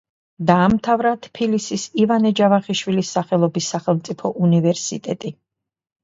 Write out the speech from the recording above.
დაამთავრა თბილისის ივანე ჯავახიშვილის სახელობის სახელმწიფო უნივერსიტეტი.